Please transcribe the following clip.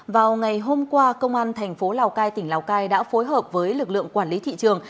vào ngày hôm qua công an thành phố lào cai tỉnh lào cai đã phối hợp với lực lượng quản lý thị trường